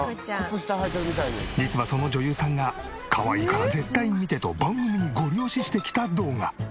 実はその女優さんがかわいいから絶対見てと番組にゴリ押ししてきた動画。